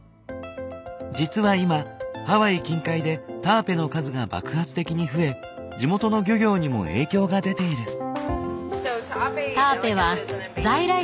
実は今ハワイ近海でタアペの数が爆発的に増え地元の漁業にも影響が出ている。